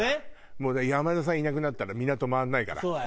もう山田さんいなくなったら港回らないから。